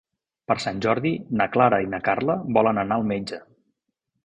Per Sant Jordi na Clara i na Carla volen anar al metge.